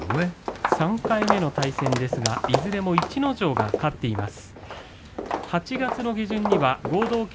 ３回目の対戦いずれも逸ノ城が勝っています。